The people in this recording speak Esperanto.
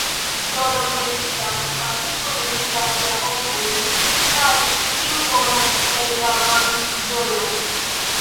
Dolorpremita, patrino demetas la ovojn, kaj, kiu konas plej ravan ĝojon?